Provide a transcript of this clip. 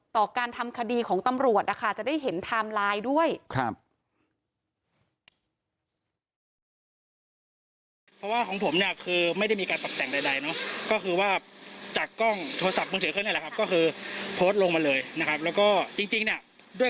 ต่อการทำคดีของตำรวจนะคะจะได้เห็นไทม์ไลน์ด้วย